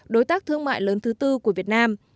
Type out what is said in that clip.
đối tác thương mại lớn thứ tư của việt nam